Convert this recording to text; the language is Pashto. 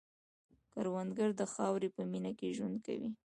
کروندګر د خاورې په مینه کې ژوند کوي